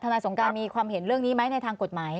นายสงการมีความเห็นเรื่องนี้ไหมในทางกฎหมาย